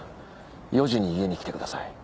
４時に家に来てください。